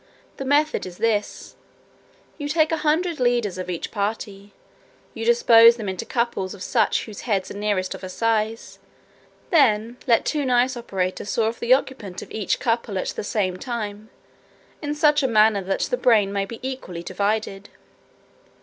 The method is this: You take a hundred leaders of each party; you dispose them into couples of such whose heads are nearest of a size; then let two nice operators saw off the occiput of each couple at the same time, in such a manner that the brain may be equally divided.